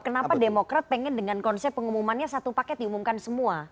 kenapa demokrat pengen dengan konsep pengumumannya satu paket diumumkan semua